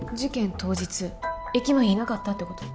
当日駅前にいなかったってこと？